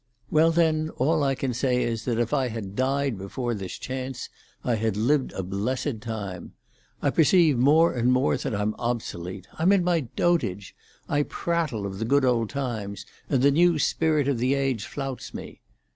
"Well, then, all I can say is that if I had died before this chance, I had lived a blessed time. I perceive more and more that I'm obsolete. I'm in my dotage; I prattle of the good old times, and the new spirit of the age flouts me.